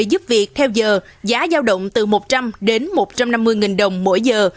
giúp việc theo giờ giá giao động từ một trăm linh đến một trăm năm mươi nghìn đồng mỗi giờ